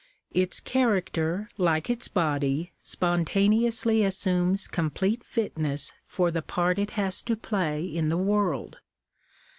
Its character like its body, spontaneously assumes complete fitness for the part it has to play in the world.